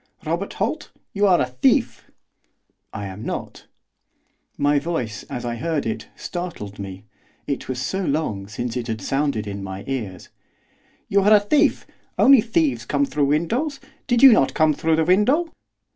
'Robert Holt, you are a thief.' 'I am not.' My own voice, as I heard it, startled me, it was so long since it had sounded in my ears. 'You are a thief! Only thieves come through windows, did you not come through the window?